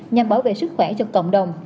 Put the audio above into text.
nhằm bảo vệ sức khỏe cho cộng đồng